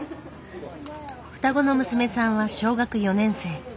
双子の娘さんは小学４年生。